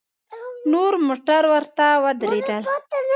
نور موټر ورته ودرېدل.